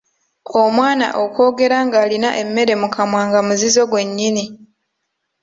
Omwana okwogera ng’alina emmere mu kamwa nga muzizo gwe nnyini.